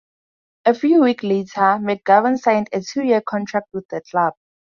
A few week later, McGovern signed a two-year contract with the club.